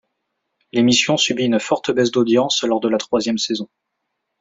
L'émission subit une forte baisse d'audience lors de la troisième saison.